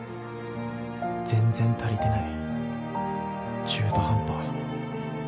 全然足りてない中途半端